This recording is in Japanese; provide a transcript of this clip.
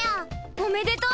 おめでとう！